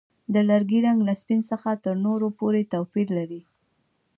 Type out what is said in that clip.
د لرګي رنګ له سپین څخه تر تور پورې توپیر لري.